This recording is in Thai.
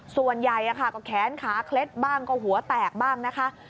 ส่วนใหญ่ก็แขนขาเคล็ดบ้างก็หัวแตกบ้างนะคะ